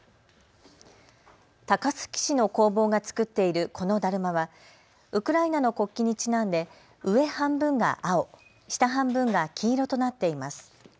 高崎市の工房が作っているこのだるまはウクライナの国旗にちなんで上半分が青、下半分が黄色となっています。